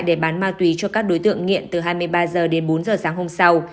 để bán ma túy cho các đối tượng nghiện từ hai mươi ba h đến bốn h sáng hôm sau